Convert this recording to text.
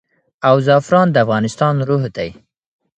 او زعفران د افغانستان روح دی.